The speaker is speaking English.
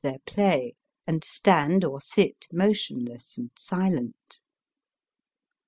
295 their play, and stand or sit motionless and silent.